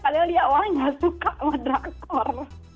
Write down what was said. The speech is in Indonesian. padahal dia orangnya nggak suka sama drakor